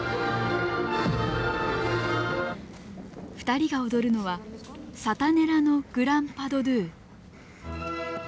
２人が踊るのは「サタネラ」のグラン・パ・ド・ドゥ。